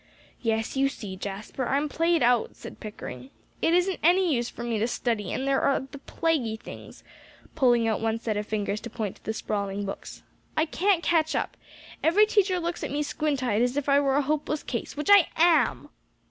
"Yes, you see, Jasper, I'm played out," said Pickering. "It isn't any use for me to study, and there are the plaguey things," pulling out one set of fingers to point to the sprawling books. "I can't catch up. Every teacher looks at me squint eyed as if I were a hopeless case, which I am!"